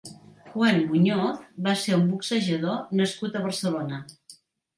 Juan Muñoz va ser un boxejador nascut a Barcelona.